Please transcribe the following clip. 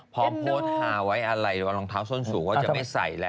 พอโพสทาร์ไว้เอาลองเท้าส้มสูงก็จะไม่ใส่แล้ว